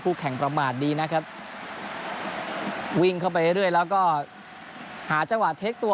แข่งประมาทดีนะครับวิ่งเข้าไปเรื่อยแล้วก็หาจังหวะเทคตัว